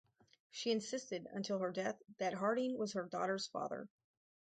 She insisted until her death that Harding was her daughter's father.